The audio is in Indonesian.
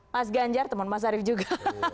mas ganjar teman mas arief juga